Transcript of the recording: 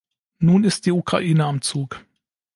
Nun ist die Ukraine am Zug.